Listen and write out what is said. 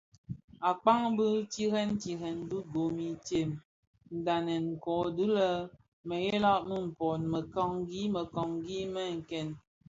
Akpaň bi tirèè tirèè ti gom itsem, ndhanen kōti dhi mëghèla më mpōn, mekanikani “mě nken”.